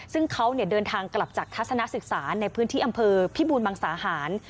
ซึ่งเขาเดินทางกลับจากทัศนศึกษาในพื้นที่อำเภอพิบูรมังสาหาร